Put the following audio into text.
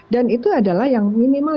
dan itu adalah yang minimal